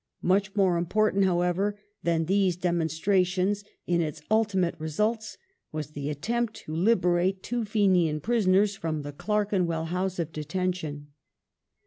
Much more important, how ever, than these "demonstrations," in its ultimate results, was the attem})t to liberate two Fenian prisoners from the Clerkenwell House of Detention.